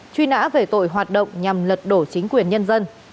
truy nã về tội hoạt động nhằm lật đổ chính quyền nhân dân